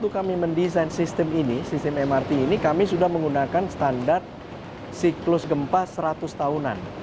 kami menggunakan sistem mrt yang berkualitas seratus tahunan